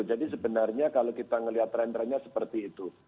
jadi sebenarnya kalau kita melihat trendernya seperti itu